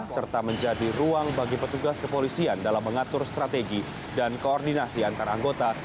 serta menjadi ruang bagi petugas kepolisian dalam mengatur strategi dan koordinasi antara anggota